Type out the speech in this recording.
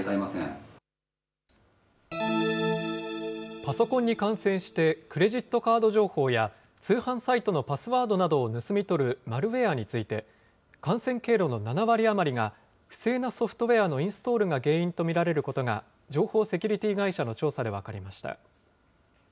パソコンに感染して、クレジットカード情報や通販サイトのパスワードなどを盗み取るマルウエアについて、感染経路の７割余りが、不正なソフトウエアのインストールが原因と見られることが、情報セキュリティー会社の調査で分かりました。